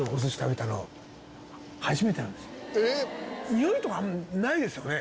においとかないですよね。